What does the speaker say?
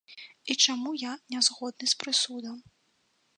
І чаму я не згодны з прысудам.